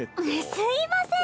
すいません！